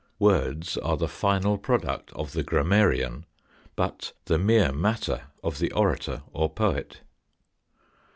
Words are the final product of the grammarian, but the mere matter of the orator or poet.